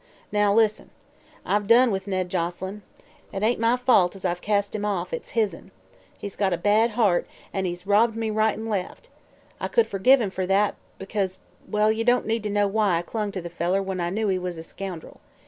Now lis'n. I've done with Ned Joselyn. It ain't nay fault as I've cast him off; it's his'n. He's got a bad heart an' he's robbed me right an' left. I could fergive him fer that, because well, ye don't need to know why I clung to the feller when I knew he was a scoundrel.